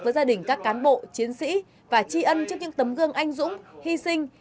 với gia đình các cán bộ chiến sĩ và tri ân trước những tấm gương anh dũng hy sinh